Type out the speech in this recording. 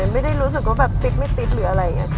ไม่ได้รู้สึกว่าแบบติ๊ดไม่ติดหรืออะไรอย่างนี้